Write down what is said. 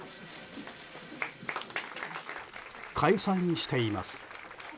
解散しています。